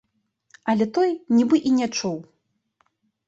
Але той нібы і не чуў.